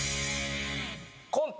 コント